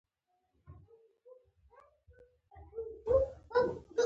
دا اثر ستاسو حضور ته وړاندې کیږي.